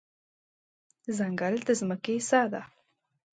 ځنګل د ځمکې ساه ده.